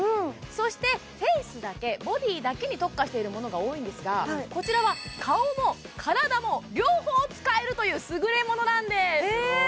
そしてフェースだけボディーだけに特化しているものが多いんですがこちらは顔も体も両方使えるというすぐれものなんです